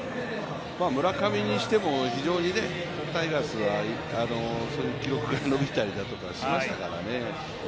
村上にしても非常にタイガースはそういう記録が伸びたりしましたからね。